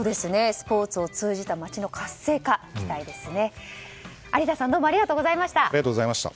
スポーツを通じた街の活性化、期待ですね。